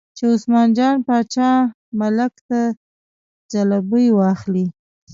چې عثمان جان باچا ملک ته ځلوبۍ واخلي.